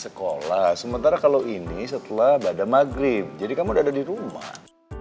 ya tapi itu udah sekolah sementara kalau ini setelah bada maghrib jadi kamu udah ada di rumah